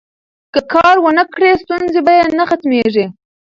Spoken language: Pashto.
که کار ونکړي، ستونزې به یې نه ختمیږي.